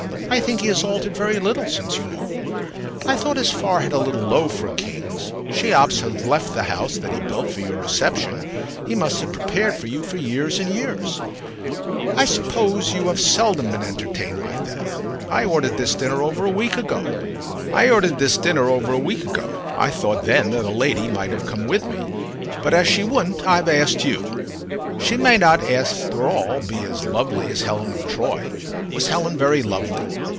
I think he has altered very little since you knew him. I thought his forehead a little low for a king's. Cheops has left the house that he built for your reception, he must have prepared for you for years and years. I suppose you have seldom been entertained like that. I ordered this dinner over a week ago. I thought then that a lady might have come with me, but as she wouldn't I've asked you. She may not after all be as lovely as Helen of Troy. Was Helen very lovely?